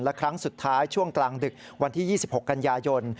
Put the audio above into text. และครั้งสุดท้ายช่วงกลางดึกวันที่๒๖กันยายน